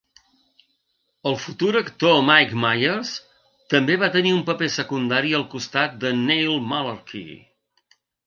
El futur actor Mike Myers també va tenir un paper secundari al costat de Neil Mullarkey.